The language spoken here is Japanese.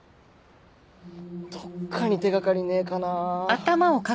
どっかに手掛かりねえかなぁ。